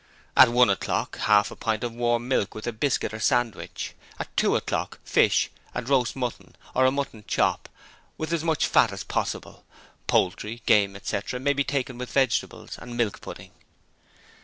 'At one o'clock: half a pint of warm milk with a biscuit or sandwich. 'At two o'clock: fish and roast mutton, or a mutton chop, with as much fat as possible: poultry, game, etc., may be taken with vegetables, and milk pudding.